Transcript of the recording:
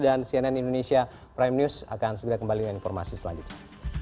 dan cnn indonesia prime news akan segera kembali dengan informasi selanjutnya